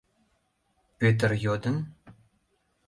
— Пӧтыр йодын.